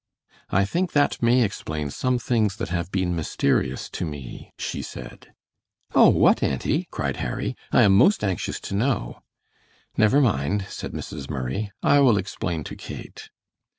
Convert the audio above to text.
"I think that may explain some things that have been mysterious to me," she said. "Oh, what, auntie?" cried Harry; "I am most anxious to know." "Never mind," said Mrs. Murray; "I will explain to Kate."